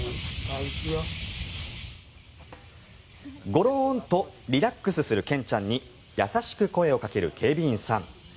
ゴロンとリラックスするケンちゃんに優しく声をかける警備員さん。